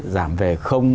giảm về không